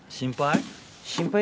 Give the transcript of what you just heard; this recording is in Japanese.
心配？